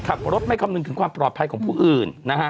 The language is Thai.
ขับรถไม่คำนึงถึงความปลอดภัยของผู้อื่นนะฮะ